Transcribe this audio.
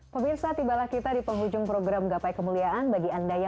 kita tahu tantangannya juga berat ya